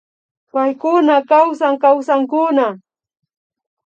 Paykuna kawsan kawsankuna